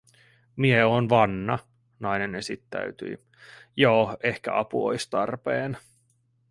“Mie oon Vanna”, nainen esittäytyi, “joo, ehkä apu ois tarpeen”.